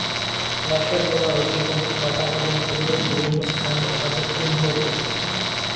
লাশের গলার অর্ধেক অংশ কাটা এবং শরীরের বিভিন্ন স্থানে আঘাতের চিহ্ন রয়েছে।